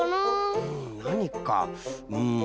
うんなにかうん。